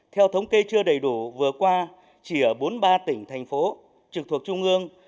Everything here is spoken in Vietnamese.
theo thống kê chưa đầy đủ vừa qua chỉ ở bốn mươi ba tỉnh thành phố trực thuộc trung ương